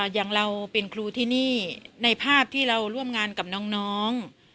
อย่างเราเป็นครูที่นี่ในภาพที่เราร่วมงานกับน้อง